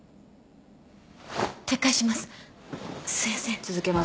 撤回します。